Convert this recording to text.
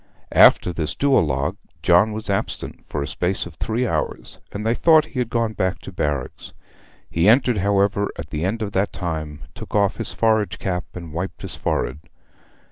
After this duologue John was absent for a space of three hours, and they thought he had gone back to barracks. He entered, however, at the end of that time, took off his forage cap, and wiped his forehead.